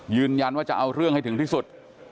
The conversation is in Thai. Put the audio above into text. ยืนยันว่าจะเอาเรื่องให้ถึงที่สุด